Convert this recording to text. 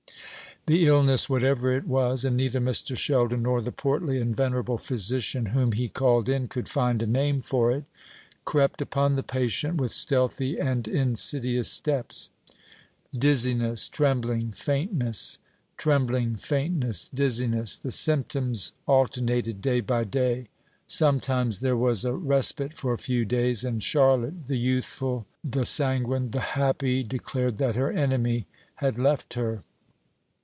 The illness, whatever it was and neither Mr. Sheldon nor the portly and venerable physician whom he called in could find a name for it crept upon the patient with stealthy and insidious steps. Dizziness, trembling, faintness; trembling, faintness, dizziness; the symptoms alternated day by day. Sometimes there was a respite of a few days; and Charlotte the youthful, the sanguine, the happy declared that her enemy had left her.